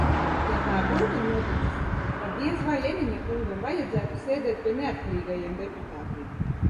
Ja tā būtu noticis, tad diez vai Eniņa kungam vajadzētu sēdēt pie neatkarīgajiem deputātiem?